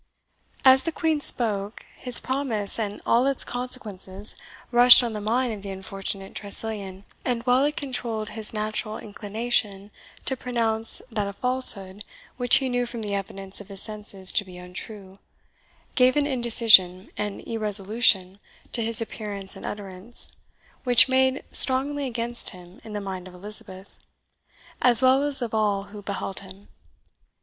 As the Queen spoke, his promise and all its consequences rushed on the mind of the unfortunate Tressilian, and while it controlled his natural inclination to pronounce that a falsehood which he knew from the evidence of his senses to be untrue, gave an indecision and irresolution to his appearance and utterance which made strongly against him in the mind of Elizabeth, as well as of all who beheld him.